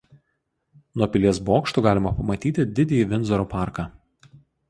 Nuo pilies bokštų galima pamatyti "Didįjį Vindzoro" parką.